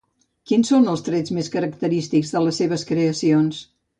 Quins són els trets més característics de les seves creacions?